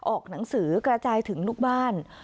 ออกหนังสือกระจายถึงลูกบ้าน